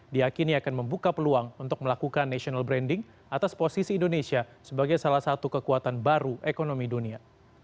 diakini akan membuka peluang untuk melakukan national branding atas posisi indonesia sebagai salah satu kekuatan baru ekonomi dunia